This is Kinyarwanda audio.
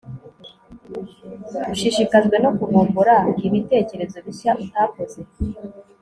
ushishikajwe no kuvumbura ibitekerezo bishya utakoze